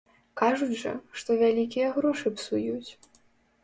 Кажуць жа, што вялікія грошы псуюць.